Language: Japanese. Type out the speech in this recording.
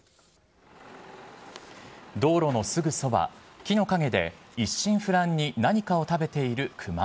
道路のすぐそば、木の陰で、一心不乱に何かを食べている熊。